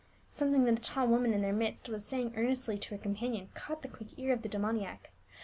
Something that a tall woman in their midst was saying earnestly to her companion caught the quick ear of the demoniac.